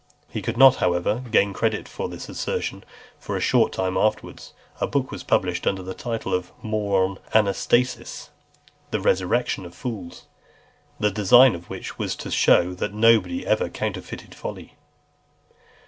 He could not, however, gain credit for this assertion; for a short time afterwards, a book was published under the title of Moron anastasis, "The Resurrection of Fools," the design of which was to show "that nobody ever counterfeited folly."